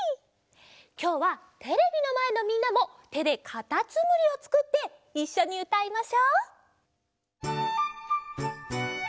きょうはテレビのまえのみんなもてでかたつむりをつくっていっしょにうたいましょう。